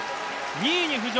２位に浮上。